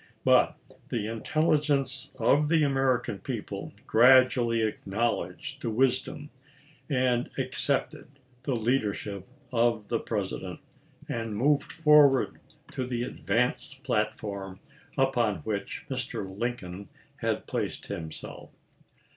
But the intelligence of the American people gradually acknowledged the wisdom and accepted the leadership of the President, and moved forward to the advanced platform upon which Mr. Lincoln had placed himself.